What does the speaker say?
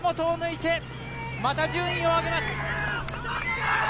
また順位を上げます。